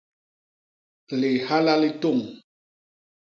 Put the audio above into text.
Lihaha li tôñ.